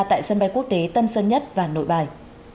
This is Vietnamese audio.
tại sân bay quốc tế tân sơn nhất và nội bài